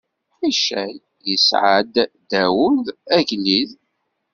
Icay isɛa-d Dawed, agellid.